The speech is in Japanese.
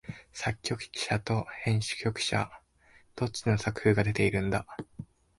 作曲者と編曲者、どっちの作風が出てるんだ？